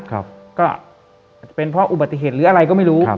ก็เป็นเพราะอุบัติเหตุหรืออะไรก็ไม่รู้